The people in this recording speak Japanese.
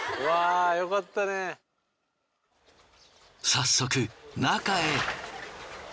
早速中へ。